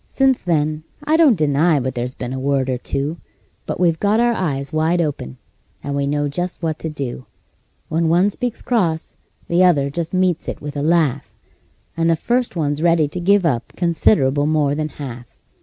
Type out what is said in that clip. Since then I don't deny but there's been a word or two; But we've got our eyes wide open, and know just what to do: When one speaks cross the other just meets it with a laugh, And the first one's ready to give up considerable more than half.